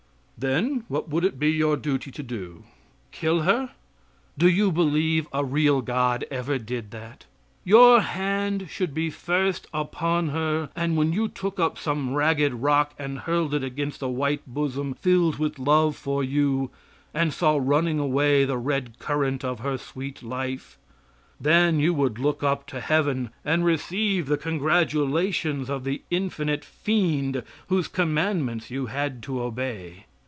Then what would it be your duty to do kill her? Do you believe a real God ever did that? Your hand should be first upon her, and when you took up some ragged rock and hurled it against the white bosom filled with love for you, and saw running away the red current of her sweet life, then you would look up to heaven and receive the congratulations of the infinite fiend whose commandments you had to obey.